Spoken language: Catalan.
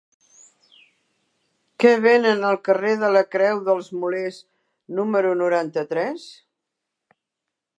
Què venen al carrer de la Creu dels Molers número noranta-tres?